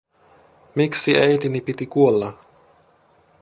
Miksi äitini piti kuolla?